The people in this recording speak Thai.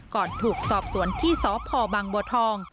ถูกสอบสวนที่สพบังบัวทอง